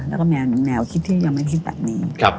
แล้วก็มีแนวคิดที่ยังไม่คิดแบบนี้